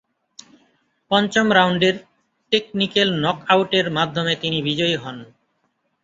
পঞ্চম রাউন্ডের technical knockout এর মাধ্যমে তিনি বিজয়ী হন।